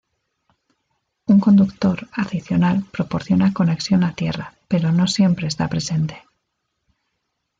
Un conductor adicional proporciona conexión a tierra pero no siempre está presente.